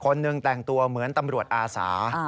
คนหนึ่งแต่งตัวเหมือนตำรวจอาสา